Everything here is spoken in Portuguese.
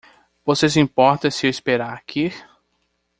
Você se importa se eu esperar aqui?